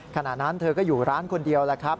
ขณะนั้นเธอก็อยู่ร้านคนเดียวแล้วครับ